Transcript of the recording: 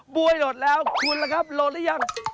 บ๊วยโหดแล้วคุณละครับโหดได้ยัง